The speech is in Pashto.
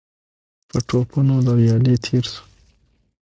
په ټوپونو له ويالې تېر شو.